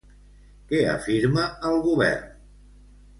Què afirma el govern?